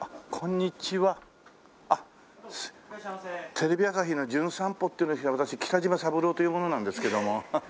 テレビ朝日の『じゅん散歩』っていうので来た私北島三郎という者なんですけども。